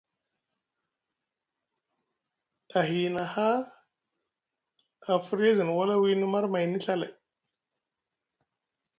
A hiina haa a firya a zini wala wiini marmayni Ɵa lay.